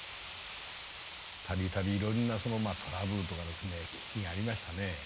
度々いろいろなトラブルとかですね危機がありましたね。